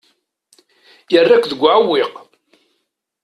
Yerra-k deg uɛewwiq.